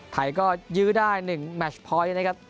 ไทยก็ยื้อได้๑แมชพอยต์นะครับ